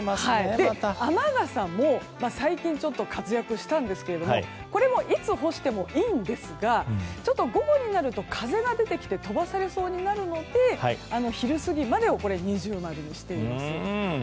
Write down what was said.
雨傘も最近活躍したんですがこれもいつ干してもいいんですがちょっと午後になると風が出てきて飛ばされそうになるので昼過ぎまでは二重丸にしています。